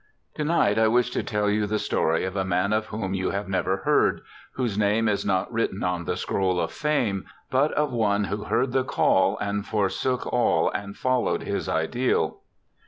To night I wish to tell you the story of a man of whom you have never heard, whose name is not written on the scroll of fame, but of one who heard the call and forsook all and followed his ideal.